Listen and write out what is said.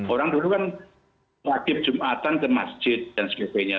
orang dulu kan magib jum'atan ke masjid dan sebagainya